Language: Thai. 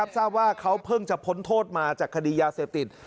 ทราบว่าเขาเพิ่งจะพ้นโทษมาจากคดียาเสพติด